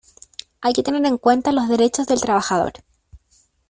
Hay que tener en cuenta los derechos del trabajador.